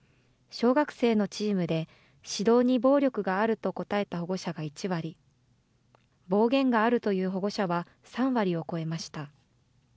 小学生のチームで、指導に暴力があると答えた保護者が１割、暴言があるという保護者は３割を超えました。